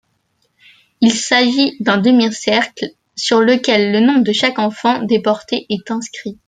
Il s'agit d'un demi-cercle sur lequel le nom de chaque enfant déporté est inscrit.